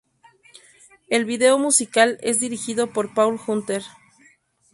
El video musical es dirigido por Paul Hunter